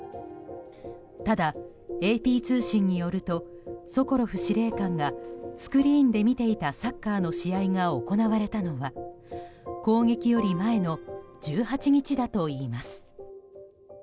ただ、ＡＰ通信によるとソコロフ司令官がスクリーンで見ていたサッカーの試合が行われたのは攻撃より前の１８日だといいます。